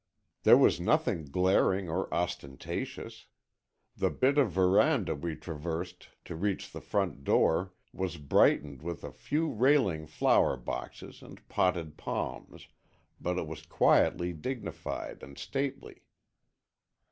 There was nothing glaring or ostentatious. The bit of verandah we traversed to reach the front door was brightened with a few railing flower boxes and potted palms, but it was quietly dignified and stately.